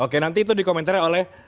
oke nanti itu di komentari oleh